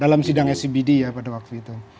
dalam sidang scbd ya pak tar waktu itu